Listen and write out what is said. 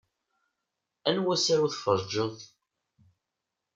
Anwa asaru tferrjeḍ?